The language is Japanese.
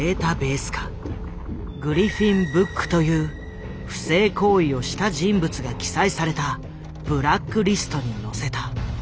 「グリフィン・ブック」という不正行為をした人物が記載されたブラックリストに載せた。